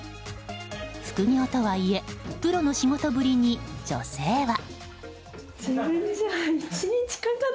副業とはいえプロの仕事ぶりに女性は。